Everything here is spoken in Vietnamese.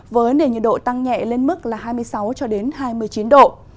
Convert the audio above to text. với nền nhiệt độ tăng nhẹ lên mức hai mươi sáu hai mươi chín độ